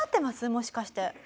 もしかして。